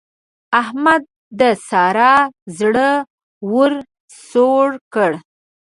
احمد د سارا زړه ور سوړ کړ.